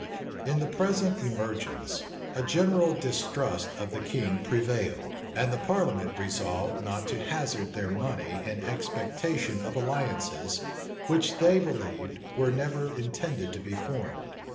[A] In the present emergence, a general distrust of the king prevailed; and the parliament resolved not to hazard their money in expectation of alliances, which, they believed, were never intended to be formed.